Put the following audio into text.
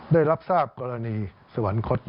ได้รับทราบกรณีสวรรคต